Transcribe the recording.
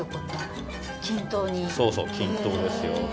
そうそう均等ですよ。